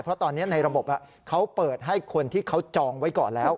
เพราะตอนนี้ในระบบเขาเปิดให้คนที่เขาจองไว้ก่อนแล้ว